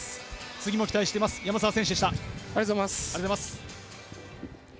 次も期待しています、山沢選手でした。